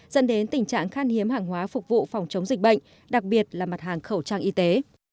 dẫn đến tình trạng khan hiếm hàng hóa phục vụ phòng chống dịch bệnh đặc biệt là mặt hàng khẩu trang y tế